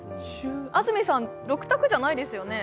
安住さん、６択じゃないですよね？